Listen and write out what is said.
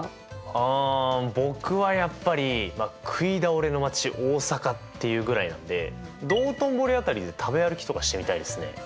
あ僕はやっぱり食い倒れの街大阪っていうぐらいなんで道頓堀辺りで食べ歩きとかしてみたいですね。